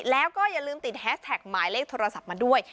แล้วก็อย่าลืมติดแฮสแท็กหมายเลขโทรศัพท์มาด้วย